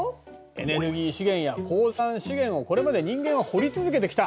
エネルギー資源や鉱山資源をこれまで人間は掘り続けてきた。